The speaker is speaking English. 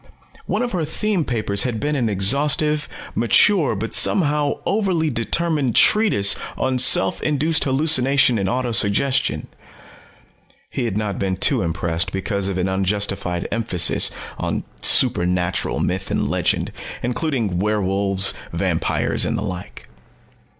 One of her theme papers had been an exhaustive, mature but somehow overly determined, treatise on self induced hallucination and auto suggestion. He had not been too impressed because of an unjustified emphasis on supernatural myth and legend, including werewolves, vampires, and the like.